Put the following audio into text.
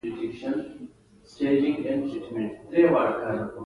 مجاهد د جنت امید لري.